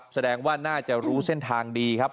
แสดงว่าน่าจะรู้เส้นทางดีครับ